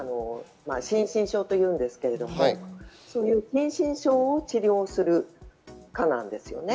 心身症と言うんですけど、そういう心身症を治療する科なんですね。